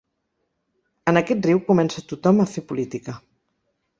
En aquest riu comença tothom a fer política.